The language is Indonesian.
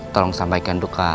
tolong sampaikan duka